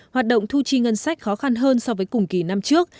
hoạt động thu chi ngân sách khó khăn hơn so với cùng kỳ năm trước